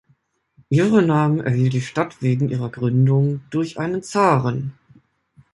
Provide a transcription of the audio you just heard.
Ihren Namen erhielt die Stadt wegen ihrer Gründung durch einen Zaren.